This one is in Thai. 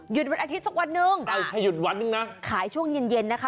หยุดวันอาทิตย์สักวันนึงนะคะขายช่วงเย็น